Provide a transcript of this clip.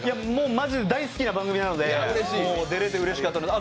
マジで大好きな番組なので出れてうれしかったです。